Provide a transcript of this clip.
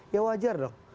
ya wajar dong